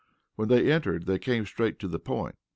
When they entered they came straight to the point.